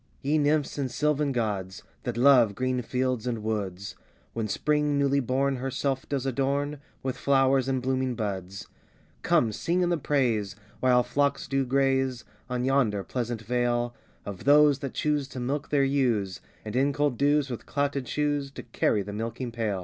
] YE nymphs and sylvan gods, That love green fields and woods, When spring newly born herself does adorn, With flowers and blooming buds: Come sing in the praise, while flocks do graze, On yonder pleasant vale, Of those that choose to milk their ewes, And in cold dews, with clouted shoes, To carry the milking pail.